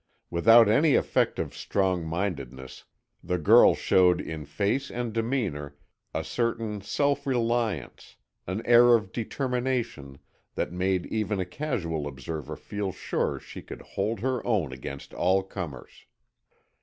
Without any effect of strong mindedness, the girl showed in face and demeanour a certain self reliance, an air of determination, that made even a casual observer feel sure she could hold her own against all comers.